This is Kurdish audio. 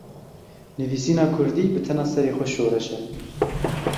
Nivîsîna kurdî bi tena serê xwe şoreş e.